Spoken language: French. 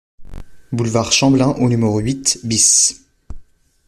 Boulevard Chamblain au numéro huit BIS